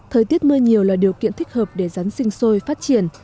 thời tiết mưa nhiều là điều kiện thích hợp để rắn sinh sôi phát triển